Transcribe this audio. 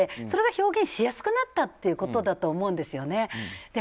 それが表現しやすくなったということだと思うんですよね。